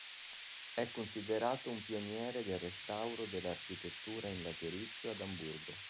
È considerato un pioniere del restauro dell'architettura in laterizio ad Amburgo.